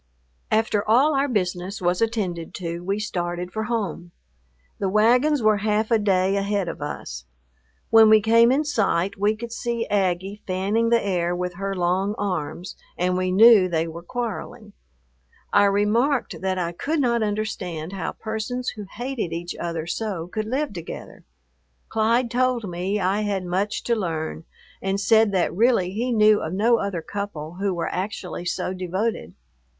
After all our business was attended to, we started for home. The wagons were half a day ahead of us. When we came in sight, we could see Aggie fanning the air with her long arms, and we knew they were quarreling. I remarked that I could not understand how persons who hated each other so could live together. Clyde told me I had much to learn, and said that really he knew of no other couple who were actually so devoted.